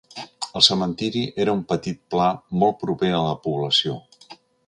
El cementiri era en un petit pla molt proper a la població.